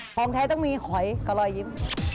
ของแท้ต้องมีหอยกับรอยยิ้ม